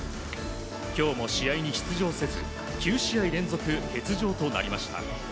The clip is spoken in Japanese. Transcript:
今日も試合に出場せず９試合連続欠場となりました。